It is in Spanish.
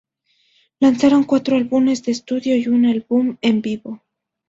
Lanzaron cuatro álbumes de estudio y un álbum en vivo.